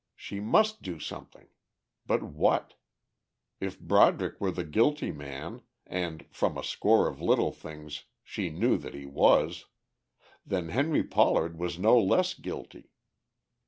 She must do something. But what? If Broderick were the guilty man, and from a score of little things, she knew that he was, then Henry Pollard was no less guilty.